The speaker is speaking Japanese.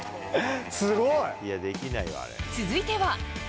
続いては。